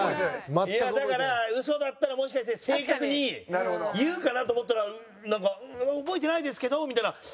いやだから嘘だったらもしかして正確に言うかなと思ったらなんか「覚えてないですけど」みたいな。